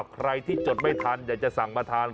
ใครที่จดไม่ทันอยากจะสั่งมาทาน